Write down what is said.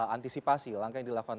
antisipasi langkah yang dilakukan